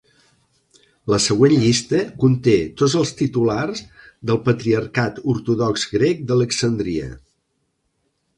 La següent llista conté tots els titulars del Patriarcat Ortodox Grec d'Alexandria.